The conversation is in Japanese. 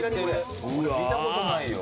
見たことないよ